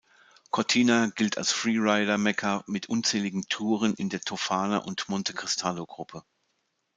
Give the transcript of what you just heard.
Cortina gilt als "Freerider"-Mekka mit unzähligen Touren in der Tofana- und Monte-Cristallo-Gruppe.